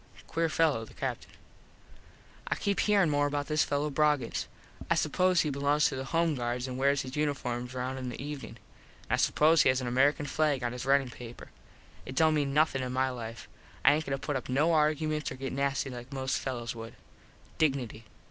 Queer fello the Captin. I keep herein more about this fello Broggins. I suppose he belongs to the Home Guards an wares his uniform round in the evenin. An I suppose he has an American flag on his ritin paper. It dont mean nothin in my life. I aint goin to put up no arguments or get nasty like most fellos would. Dignity.